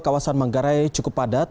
kawasan manggare cukup padat